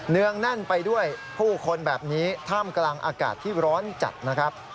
เนื่องแน่นไปด้วยผู้คนแบบนี้ท่ามกลางอากาศที่ร้อนจัดนะครับ